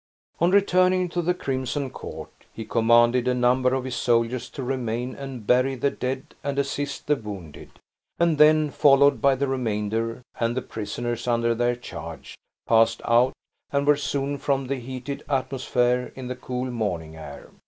On returning to the crimson court, he commanded a number of his soldiers to remain and bury the dead, and assist the wounded; and then, followed by the remainder and the prisoners under their charge, passed out, and were soon from the heated atmosphere in the cool morning air.